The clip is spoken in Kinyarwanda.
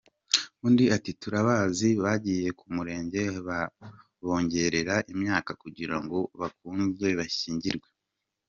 Undi ati “Turabazi bagiye ku Murenge babongerera imyaka kugira ngo bakunde bashyingirwe.